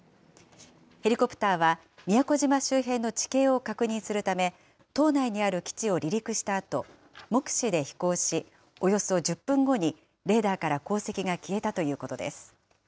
ヘリコプターは、宮古島周辺の地形を確認するため、島内にある基地を離陸したあと、目視で飛行し、およそ１０分後にレーダーから航跡が消えたということです。